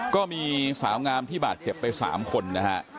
ก็มีสาวงามที่บาดเจ็บไป๓คนนะฮะ